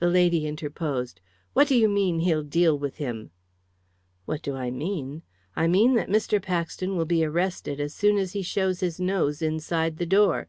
The lady interposed. "What do you mean he'll deal with him?" "What do I mean? I mean that Mr. Paxton will be arrested as soon as he shows his nose inside the door.